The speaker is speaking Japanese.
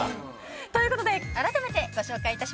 ということであらためてご紹介いたしましょう。